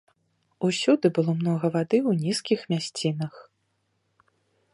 Усюды было многа вады ў нізкіх мясцінах.